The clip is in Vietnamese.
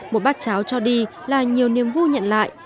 một bát cháo cho đi là nhiều niềm vui nhận lại